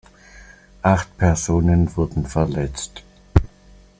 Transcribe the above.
Acht Personen wurden verletzt.